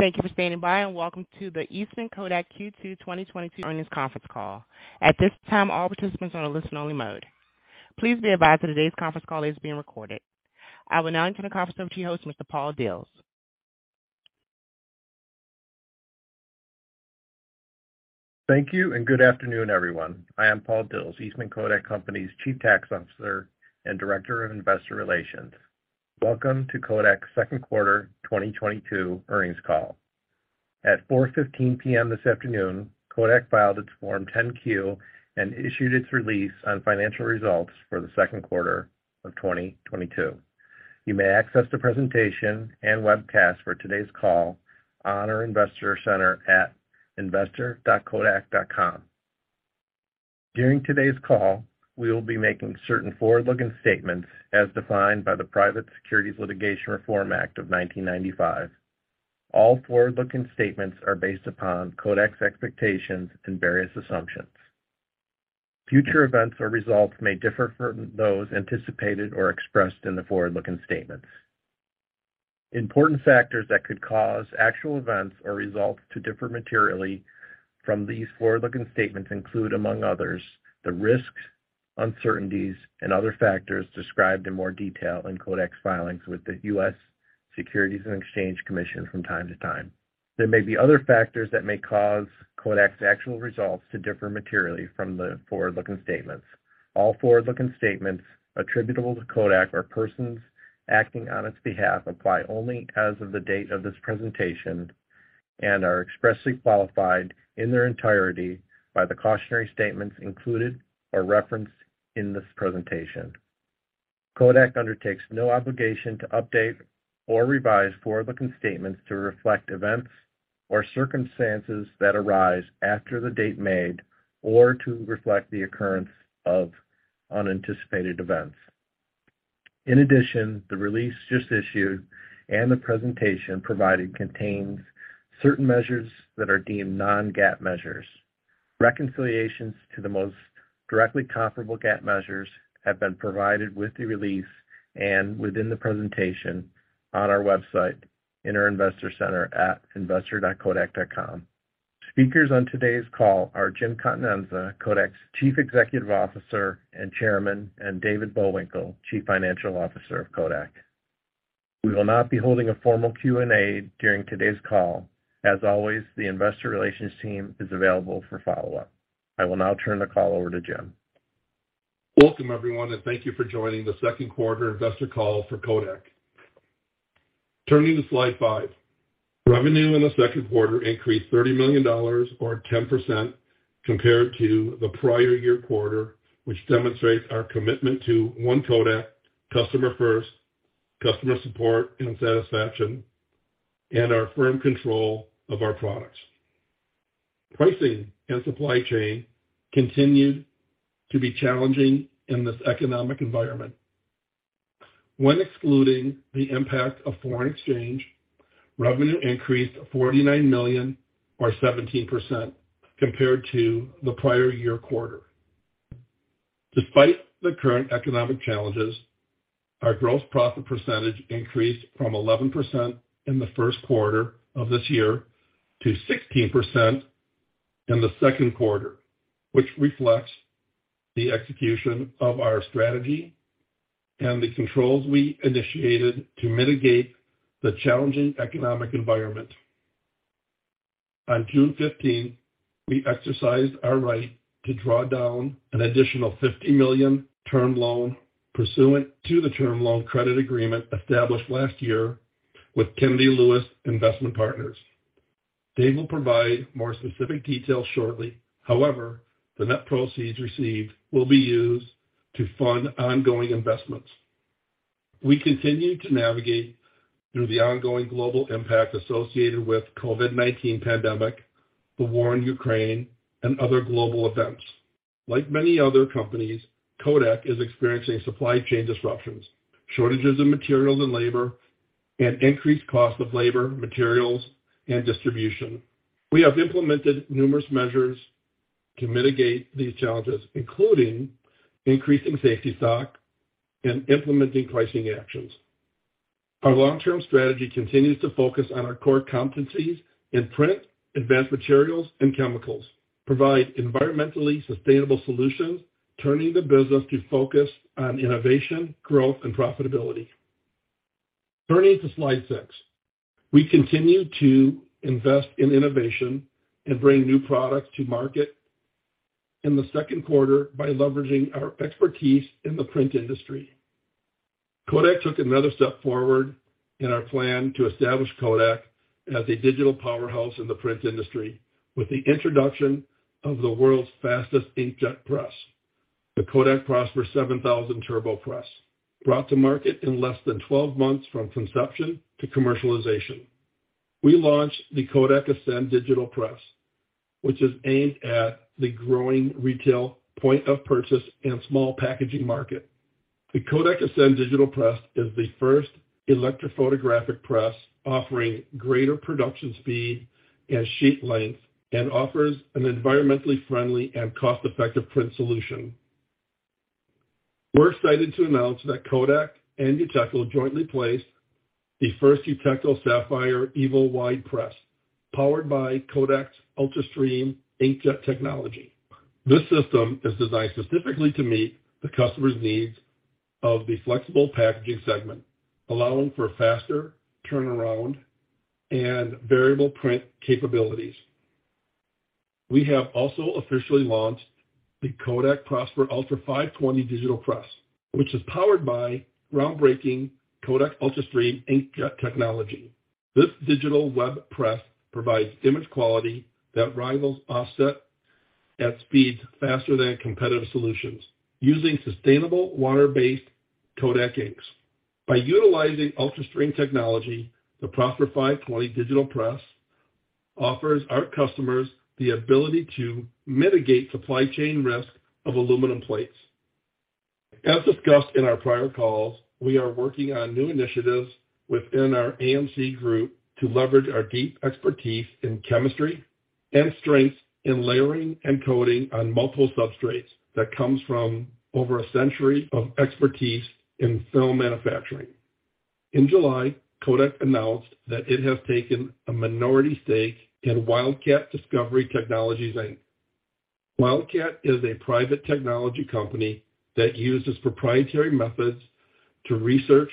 Thank you for standing by, and welcome to the Eastman Kodak Q2 2022 earnings conference call. At this time, all participants are on a listen only mode. Please be advised that today's conference call is being recorded. I will now turn the conference over to your host, Mr. Paul Dils. Thank you and good afternoon, everyone. I am Paul Dils, Eastman Kodak Company's Chief Tax Officer and Director of Investor Relations. Welcome to Kodak's second quarter 2022 earnings call. At 4:15 P.M. this afternoon, Kodak filed its Form 10-Q and issued its release on financial results for the second quarter of 2022. You may access the presentation and webcast for today's call on our investor center at investor.kodak.com. During today's call, we will be making certain forward-looking statements as defined by the Private Securities Litigation Reform Act of 1995. All forward-looking statements are based upon Kodak's expectations and various assumptions. Future events or results may differ from those anticipated or expressed in the forward-looking statements. Important factors that could cause actual events or results to differ materially from these forward-looking statements include, among others, the risks, uncertainties and other factors described in more detail in Kodak's filings with the U.S. Securities and Exchange Commission from time to time. There may be other factors that may cause Kodak's actual results to differ materially from the forward-looking statements. All forward-looking statements attributable to Kodak or persons acting on its behalf apply only as of the date of this presentation and are expressly qualified in their entirety by the cautionary statements included or referenced in this presentation. Kodak undertakes no obligation to update or revise forward-looking statements to reflect events or circumstances that arise after the date made, or to reflect the occurrence of unanticipated events. In addition, the release just issued and the presentation provided contains certain measures that are deemed non-GAAP measures. Reconciliations to the most directly comparable GAAP measures have been provided with the release and within the presentation on our website in our investor center at investor dot kodak.com. Speakers on today's call are Jim Continenza, Kodak's Chief Executive Officer and Chairman, and David Bullwinkle, Chief Financial Officer of Kodak. We will not be holding a formal Q&A during today's call. As always, the investor relations team is available for follow-up. I will now turn the call over to Jim. Welcome, everyone, and thank you for joining the second quarter investor call for Kodak. Turning to slide five. Revenue in the second quarter increased $30 million or 10% compared to the prior-year quarter, which demonstrates our commitment to one Kodak, customer first, customer support and satisfaction, and our firm control of our products. Pricing and supply chain continued to be challenging in this economic environment. When excluding the impact of foreign exchange, revenue increased $49 million or 17% compared to the prior-year quarter. Despite the current economic challenges, our gross profit percentage increased from 11% in the first quarter of this year to 16% in the second quarter, which reflects the execution of our strategy and the controls we initiated to mitigate the challenging economic environment. On June fifteenth, we exercised our right to draw down an additional $50 million term loan pursuant to the term loan credit agreement established last year with Kennedy Lewis Investment Management. Dave will provide more specific details shortly. However, the net proceeds received will be used to fund ongoing investments. We continue to navigate through the ongoing global impact associated with COVID-19 pandemic, the war in Ukraine and other global events. Like many other companies, Kodak is experiencing supply chain disruptions, shortages of materials and labor, and increased cost of labor, materials and distribution. We have implemented numerous measures to mitigate these challenges, including increasing safety stock and implementing pricing actions. Our long-term strategy continues to focus on our core competencies in print, Advanced Materials & Chemicals, provide environmentally sustainable solutions, turning the business to focus on innovation, growth and profitability. Turning to slide six. We continue to invest in innovation and bring new products to market in the second quarter by leveraging our expertise in the print industry. Kodak took another step forward in our plan to establish Kodak as a digital powerhouse in the print industry with the introduction of the world's fastest inkjet press, the KODAK PROSPER 7000 Turbo Press, brought to market in less than 12 months from conception to commercialization. We launched the KODAK ASCEND Digital Press, which is aimed at the growing retail point of purchase and small packaging market. The KODAK ASCEND Digital Press is the first electrophotographic press offering greater production speed and sheet length and offers an environmentally friendly and cost-effective print solution. We're excited to announce that Kodak and Uteco jointly placed the first Uteco Sapphire EVO Wide Press, powered by Kodak's ULTRASTREAM inkjet technology. This system is designed specifically to meet the customer's needs of the flexible packaging segment, allowing for faster turnaround and variable print capabilities. We have also officially launched the KODAK PROSPER ULTRA 520 Digital Press, which is powered by groundbreaking KODAK ULTRASTREAM Inkjet technology. This digital web press provides image quality that rivals offset at speeds faster than competitive solutions, using sustainable water-based Kodak inks. By utilizing ULTRASTREAM technology, the PROSPER 520 Digital Press offers our customers the ability to mitigate supply chain risk of aluminum plates. As discussed in our prior calls, we are working on new initiatives within our AMC group to leverage our deep expertise in chemistry and strengths in layering and coating on multiple substrates that comes from over a century of expertise in film manufacturing. In July, Kodak announced that it has taken a minority stake in Wildcat Discovery Technologies Inc. Wildcat is a private technology company that uses proprietary methods to research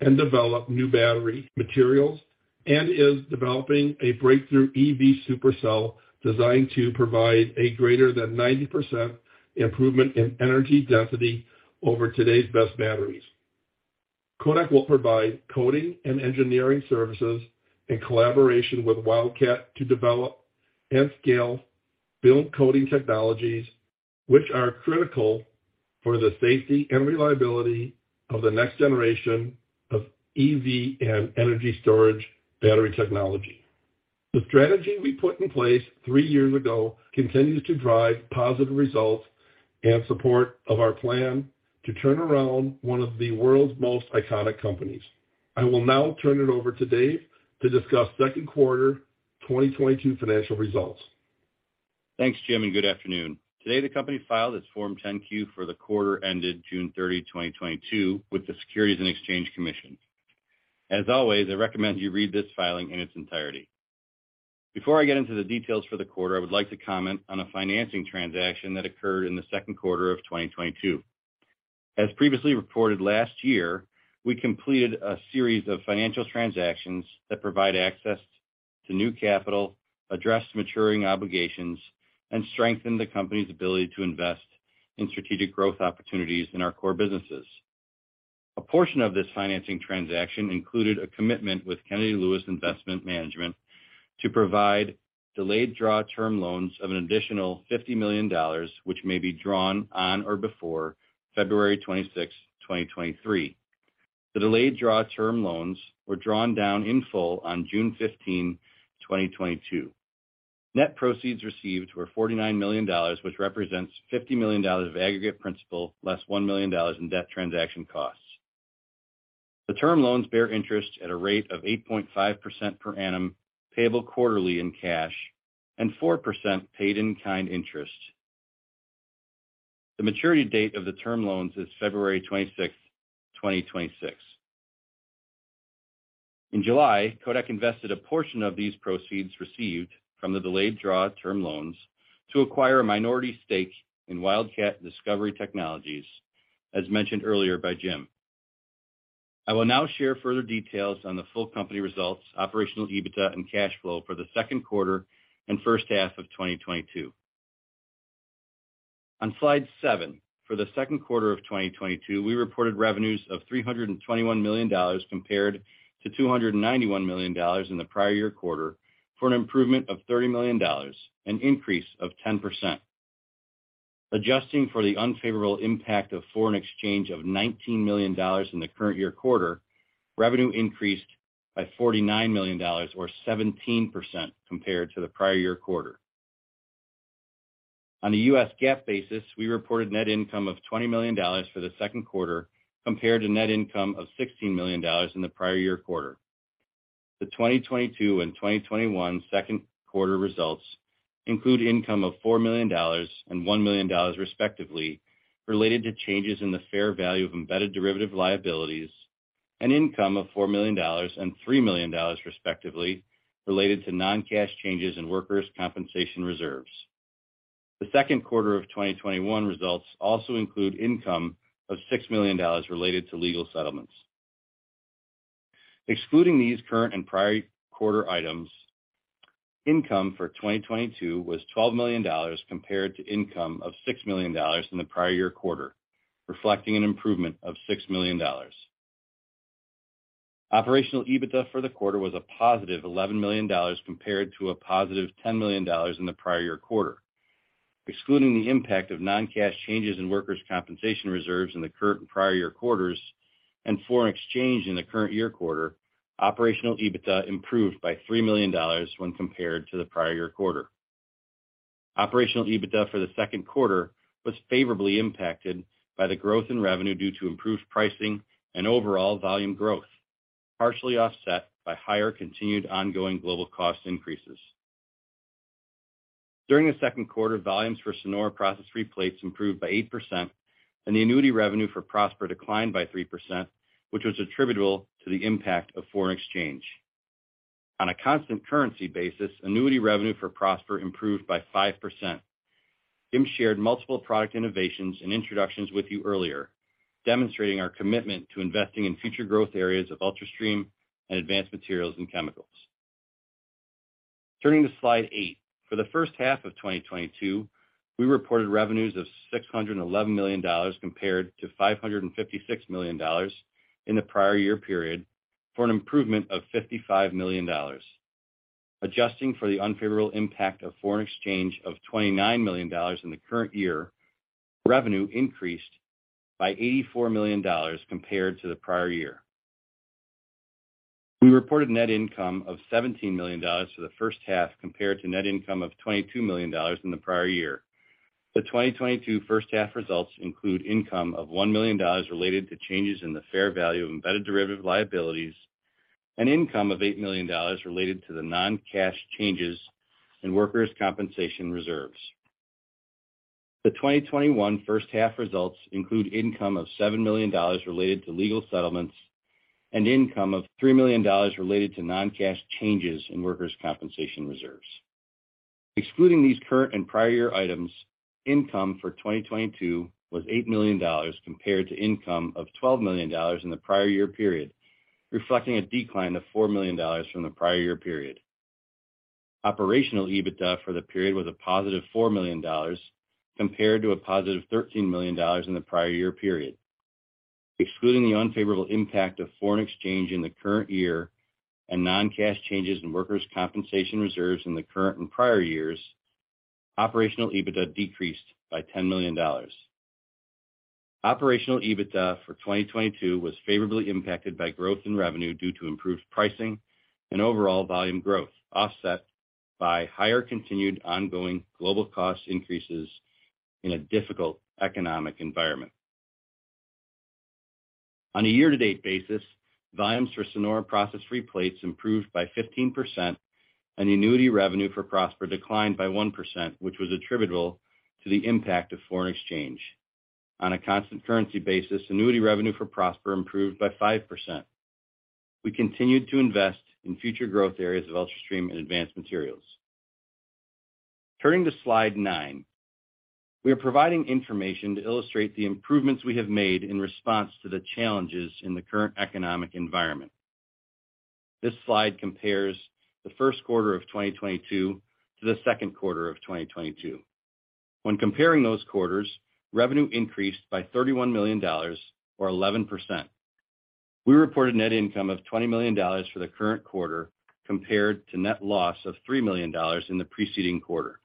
and develop new battery materials and is developing a EV supercell designed to provide a greater than 90% improvement in energy density over today's best batteries. Kodak will provide coating and engineering services in collaboration with Wildcat to develop and scale film coating technologies, which are critical for the safety and reliability of the next generation of EV and energy storage battery technology. The strategy we put in place three years ago continues to drive positive results in support of our plan to turn around one of the world's most iconic companies. I will now turn it over to David Bullwinkle to discuss second quarter 2022 financial results. Thanks, Jim, and good afternoon. Today, the company filed its Form 10-Q for the quarter ended June 30, 2022, with the Securities and Exchange Commission. As always, I recommend you read this filing in its entirety. Before I get into the details for the quarter, I would like to comment on a financing transaction that occurred in the second quarter of 2022. As previously reported last year, we completed a series of financial transactions that provide access to new capital, address maturing obligations, and strengthen the company's ability to invest in strategic growth opportunities in our core businesses. A portion of this financing transaction included a commitment with Kennedy Lewis Investment Management to provide delayed draw term loans of an additional $50 million, which may be drawn on or before February 26, 2023. The delayed draw term loans were drawn down in full on June 15, 2022. Net proceeds received were $49 million, which represents $50 million of aggregate principal, less $1 million in debt transaction costs. The term loans bear interest at a rate of 8.5% per annum, payable quarterly in cash, and 4% paid in kind interest. The maturity date of the term loans is February 26, 2026. In July, Kodak invested a portion of these proceeds received from the delayed draw term loans to acquire a minority stake in Wildcat Discovery Technologies, as mentioned earlier by Jim. I will now share further details on the full company results, Operational EBITDA, and cash flow for the second quarter and first half of 2022. On slide seven, for the second quarter of 2022, we reported revenues of $321 million compared to $291 million in the prior year quarter for an improvement of $30 million, an increase of 10%. Adjusting for the unfavorable impact of foreign exchange of $19 million in the current year quarter, revenue increased by $49 million or 17% compared to the prior year quarter. On a U.S. GAAP basis, we reported net income of $20 million for the second quarter compared to net income of $16 million in the prior year quarter. The 2022 and 2021 second quarter results include income of $4 million and $1 million, respectively, related to changes in the fair value of embedded derivative liabilities, and income of $4 million and $3 million, respectively, related to non-cash changes in workers' compensation reserves. The second quarter of 2021 results also include income of $6 million related to legal settlements. Excluding these current and prior quarter items, income for 2022 was $12 million compared to income of $6 million in the prior year quarter, reflecting an improvement of $6 million. Operational EBITDA for the quarter was a positive $11 million compared to a positive $10 million in the prior year quarter. Excluding the impact of non-cash changes in workers' compensation reserves in the current and prior year quarters and foreign exchange in the current year quarter, Operational EBITDA improved by $3 million when compared to the prior year quarter. Operational EBITDA for the second quarter was favorably impacted by the growth in revenue due to improved pricing and overall volume growth, partially offset by higher continued ongoing global cost increases. During the second quarter, volumes for SONORA Process Free Plates improved by 8% and the annuity revenue for PROSPER declined by 3%, which was attributable to the impact of foreign exchange. On a constant currency basis, annuity revenue for PROSPER improved by 5%. Jim shared multiple product innovations and introductions with you earlier, demonstrating our commitment to investing in future growth areas of ULTRASTREAM and Advanced Materials & Chemicals. Turning to slide 8. For the first half of 2022, we reported revenues of $611 million compared to $556 million in the prior year period, for an improvement of $55 million. Adjusting for the unfavorable impact of foreign exchange of $29 million in the current year, revenue increased by $84 million compared to the prior year. We reported net income of $17 million for the first half compared to net income of $22 million in the prior year. The 2022 first half results include income of $1 million related to changes in the fair value of embedded derivative liabilities, and income of $8 million related to the non-cash changes in workers' compensation reserves. The 2021 first half results include income of $7 million related to legal settlements and income of $3 million related to non-cash changes in workers' compensation reserves. Excluding these current and prior year items, income for 2022 was $8 million compared to income of $12 million in the prior year period, reflecting a decline of $4 million from the prior year period. Operational EBITDA for the period was a positive $4 million compared to a positive $13 million in the prior year period. Excluding the unfavorable impact of foreign exchange in the current year and non-cash changes in workers' compensation reserves in the current and prior years, Operational EBITDA decreased by $10 million. Operational EBITDA for 2022 was favorably impacted by growth in revenue due to improved pricing and overall volume growth, offset by higher continued ongoing global cost increases in a difficult economic environment. On a year-to-date basis, volumes for Sonora Process Free Plates improved by 15%, and the annuity revenue for Prosper declined by 1%, which was attributable to the impact of foreign exchange. On a constant currency basis, annuity revenue for Prosper improved by 5%. We continued to invest in future growth areas of UltraStream and Advanced Materials. Turning to slide nine. We are providing information to illustrate the improvements we have made in response to the challenges in the current economic environment. This slide compares the first quarter of 2022 to the second quarter of 2022. When comparing those quarters, revenue increased by $31 million or 11%. We reported net income of $20 million for the current quarter compared to net loss of $3 million in the preceding quarter.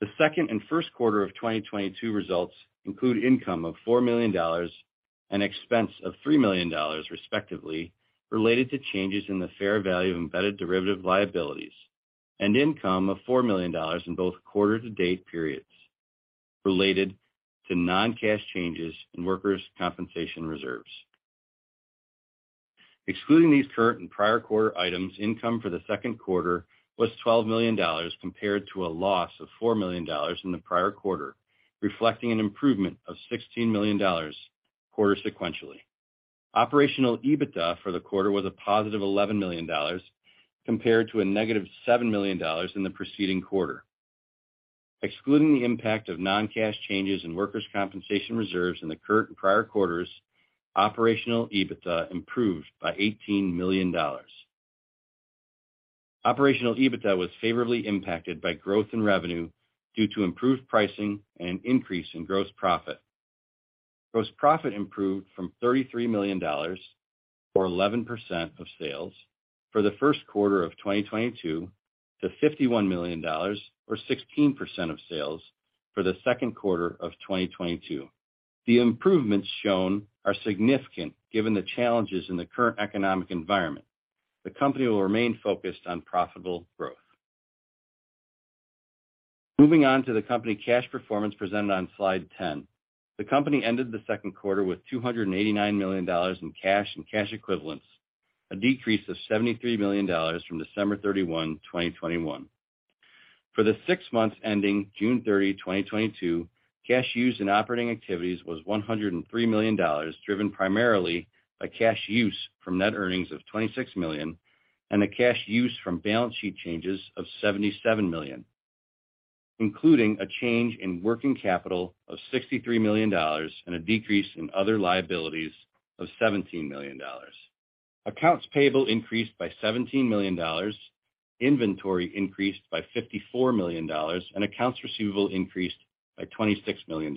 The second and first quarter of 2022 results include income of $4 million and expense of $3 million, respectively, related to changes in the fair value of embedded derivative liabilities, and income of $4 million in both quarter to date periods related to non-cash changes in workers' compensation reserves. Excluding these current and prior quarter items, income for the second quarter was $12 million compared to a loss of $4 million in the prior quarter, reflecting an improvement of $16 million quarter sequentially. Operational EBITDA for the quarter was a positive $11 million compared to a negative $7 million in the preceding quarter. Excluding the impact of non-cash changes in workers' compensation reserves in the current and prior quarters, Operational EBITDA improved by $18 million. Operational EBITDA was favorably impacted by growth in revenue due to improved pricing and an increase in gross profit. Gross profit improved from $33 million, or 11% of sales for the first quarter of 2022 to $51 million or 16% of sales for the second quarter of 2022. The improvements shown are significant given the challenges in the current economic environment. The company will remain focused on profitable growth. Moving on to the company cash performance presented on slide 10. The company ended the second quarter with $289 million in cash and cash equivalents, a decrease of $73 million from December 31, 2021. For the six months ending June 30, 2022, cash used in operating activities was $103 million, driven primarily by cash use from net earnings of $26 million and a cash use from balance sheet changes of $77 million, including a change in working capital of $63 million and a decrease in other liabilities of $17 million. Accounts payable increased by $17 million. Inventory increased by $54 million, and accounts receivable increased by $26 million.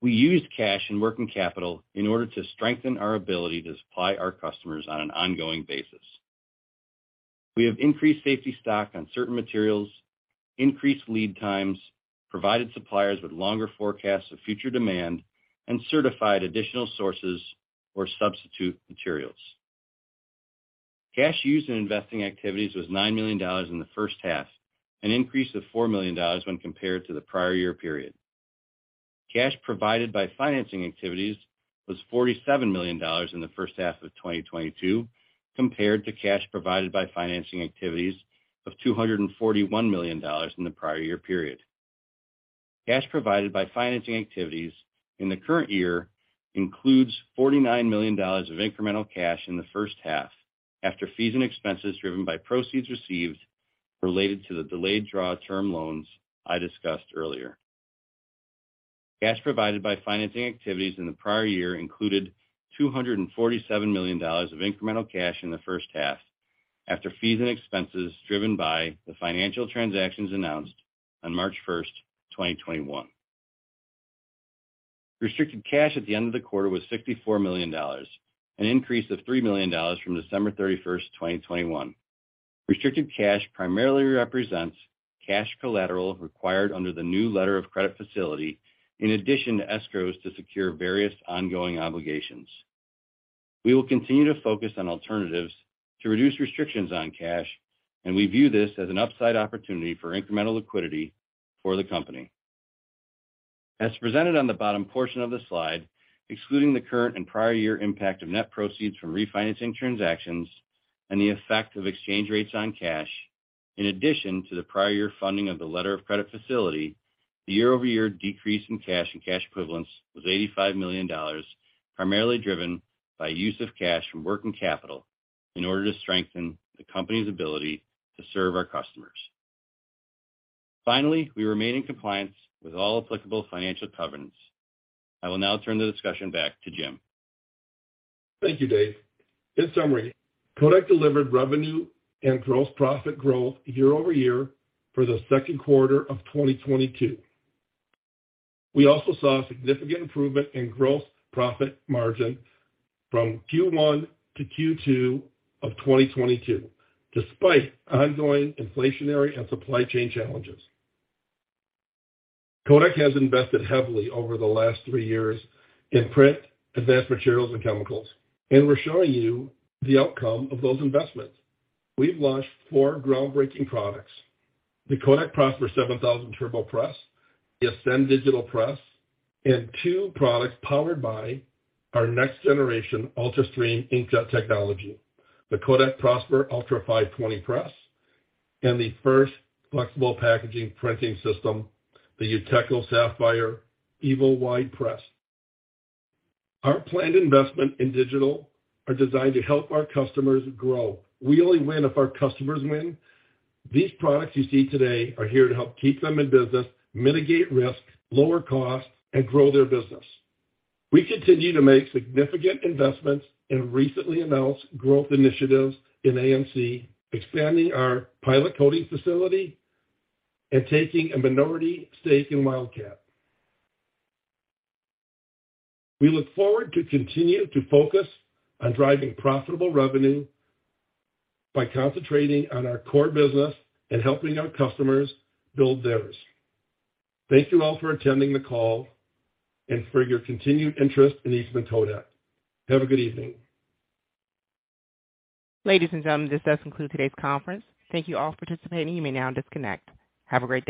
We used cash and working capital in order to strengthen our ability to supply our customers on an ongoing basis. We have increased safety stock on certain materials, increased lead times, provided suppliers with longer forecasts of future demand, and certified additional sources or substitute materials. Cash used in investing activities was $9 million in the first half, an increase of $4 million when compared to the prior year period. Cash provided by financing activities was $47 million in the first half of 2022, compared to cash provided by financing activities of $241 million in the prior year period. Cash provided by financing activities in the current year includes $49 million of incremental cash in the first half after fees and expenses driven by proceeds received related to the delayed draw term loans I discussed earlier. Cash provided by financing activities in the prior year included $247 million of incremental cash in the first half after fees and expenses driven by the financial transactions announced on March 1st, 2021. Restricted cash at the end of the quarter was $64 million, an increase of $3 million from December 31st, 2021. Restricted cash primarily represents cash collateral required under the new letter of credit facility, in addition to escrows to secure various ongoing obligations. We will continue to focus on alternatives to reduce restrictions on cash, and we view this as an upside opportunity for incremental liquidity for the company. As presented on the bottom portion of the slide, excluding the current and prior year impact of net proceeds from refinancing transactions and the effect of exchange rates on cash, in addition to the prior year funding of the letter of credit facility, the year-over-year decrease in cash and cash equivalents was $85 million, primarily driven by use of cash from working capital in order to strengthen the company's ability to serve our customers. Finally, we remain in compliance with all applicable financial covenants. I will now turn the discussion back to Jim. Thank you, David. In summary, Kodak delivered revenue and gross profit growth year-over-year for the second quarter of 2022. We also saw a significant improvement in gross profit margin from Q1 to Q2 of 2022, despite ongoing inflationary and supply chain challenges. Kodak has invested heavily over the last three years in print, advanced materials, and chemicals, and we're showing you the outcome of those investments. We've launched four groundbreaking products. The KODAK PROSPER 7000 Turbo Press, the ASCEND Digital Press, and two products powered by our next-generation ULTRASTREAM inkjet technology, the KODAK PROSPER ULTRA 520 Press, and the first flexible packaging printing system, the Uteco Sapphire EVO Wide Press. Our planned investment in digital are designed to help our customers grow. We only win if our customers win. These products you see today are here to help keep them in business, mitigate risk, lower costs, and grow their business. We continue to make significant investments in recently announced growth initiatives in AMC, expanding our pilot coating facility and taking a minority stake in Wildcat. We look forward to continue to focus on driving profitable revenue by concentrating on our core business and helping our customers build theirs. Thank you all for attending the call and for your continued interest in Eastman Kodak. Have a good evening. Ladies and gentlemen, this does conclude today's conference. Thank you all for participating. You may now disconnect. Have a great day.